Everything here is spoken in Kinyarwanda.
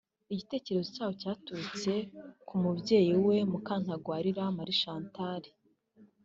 igitekerezo cyawo cyaturutse ku mubyeyi we Mukantagwabira M Chantal